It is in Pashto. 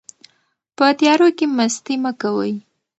په تیارو کې مستي مه کوئ.